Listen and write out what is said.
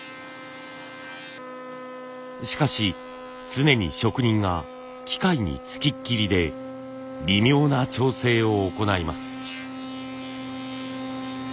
しかし常に職人が機械に付きっきりで微妙な調整を行います。